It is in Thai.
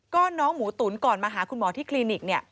ก็น้องหมูตุ๋นก่อนมาหาคุณหมอที่คลินิกเนี่ย